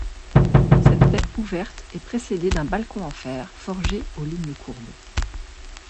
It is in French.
Cette baie ouverte est précédée d'un balcon en fer forgé aux lignes courbes.